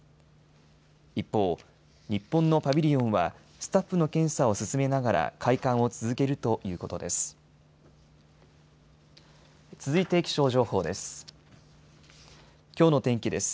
一方、日本のパビリオンはスタッフの検査を進めながら開館を続けるということです。